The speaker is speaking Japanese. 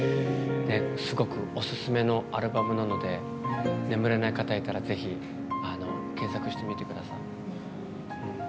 すごくおすすめのアルバムなので眠れない方いたら、ぜひ検索してみてください。